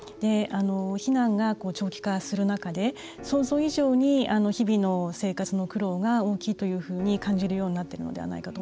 避難が長期化する中で想像以上に日々の生活の苦労が大きいというふうに感じるようになっているんじゃないかと。